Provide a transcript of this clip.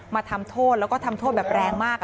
มาทำโทษแล้วก็ทำโทษแบบแรงมาก